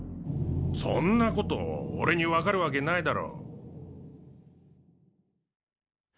そんなこと俺に分かるわけないだろ。